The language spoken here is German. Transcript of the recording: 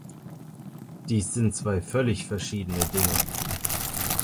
Dies sind zwei völlig verschiedene Dinge.